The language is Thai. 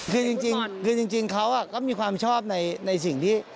คือจริงเขาก็มีความชอบในสิ่งที่